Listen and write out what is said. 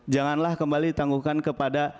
janganlah kembali ditangguhkan kepada